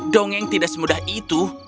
dongeng tidak semudah itu